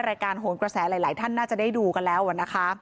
รายการโหนกระแสหลายท่านน่าจะได้ดูกันแล้วนะคะ